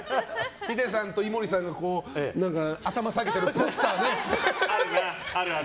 ヒデさんと井森さんが頭下げてるポスターね。